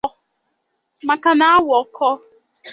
maka na awọ kòó